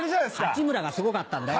八村がすごかったんだよ。